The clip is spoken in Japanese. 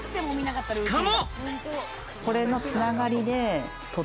しかも。